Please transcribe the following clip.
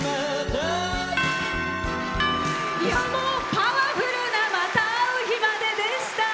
パワフルな「また逢う日まで」でした。